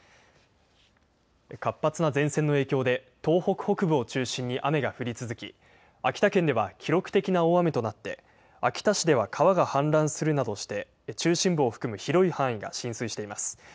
活発な前線の影響で東北北部を中心に雨が降り続き秋田県では記録的な大雨となって秋田市では川が氾濫するなどして中心部を含む広い範囲が浸水しています。